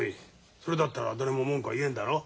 それだったら誰も文句は言えんだろ？